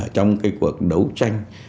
trong cái cuộc đấu tranh